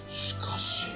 しかし。